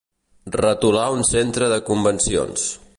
Retolar un centre de convencions.